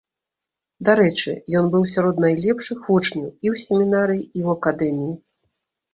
Дарэчы, ён быў сярод найлепшых вучняў і ў семінарыі, і ў акадэміі.